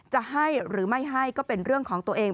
จะให้หรือไม่ให้ก็เป็นเรื่องของตัวเอง